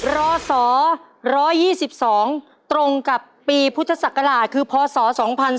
ล้อสอร์๑๒๒ตรงกับปีพุทธศักราชคือพอสอร์๒๔๔๖